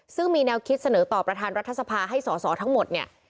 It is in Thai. ซึ่งมีแนวคิดเสนอต่อประธานรัฐสภาให้สอสอทั้งหมดเนี่ย